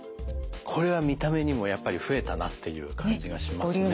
これは見た目にもやっぱり増えたなっていう感じがしますね。